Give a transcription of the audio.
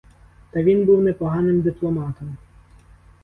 Та він був непоганим дипломатом.